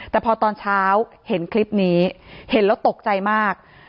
แต่พอตอนเช้าเห็นคลิปนี้เห็นแล้วตกใจมาก